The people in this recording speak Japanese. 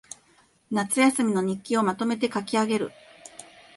夏休みの日記をまとめて書きあげる